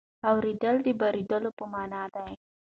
اورېدل د بارېدلو په مانا ده.